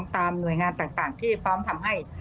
ตามหน่วยงานต่างที่พร้อมทำให้